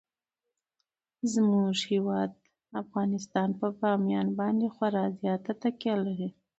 زموږ هیواد افغانستان په بامیان باندې خورا زیاته تکیه لري.